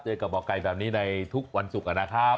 กับหมอไก่แบบนี้ในทุกวันศุกร์นะครับ